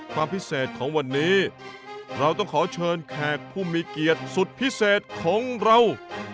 ความพิเศษของวันนี้เราต้องขอเชิญแขกผู้มีเกียรติสุดพิเศษของเรา